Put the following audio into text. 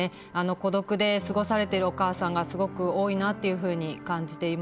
孤独で過ごされてるお母さんがすごく多いなっていうふうに感じています。